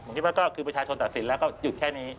ผมคิดว่าก็คือประชาชนตัดสินแล้วก็หยุดแค่นี้